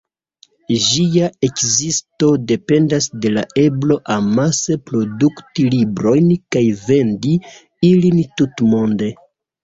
Ĝia ekzisto dependas de la eblo amase produkti librojn kaj vendi ilin tutmonde.